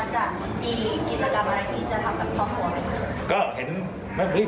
จะมีกิจกรรมอะไรมีจะทำกับพ่อหัวไหม